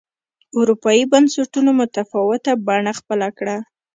اروپایي بنسټونو متفاوته بڼه خپله کړه